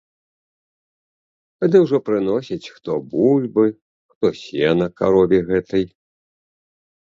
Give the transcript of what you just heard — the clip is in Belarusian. Тады ўжо прыносяць хто бульбы, хто сена карове гэтай.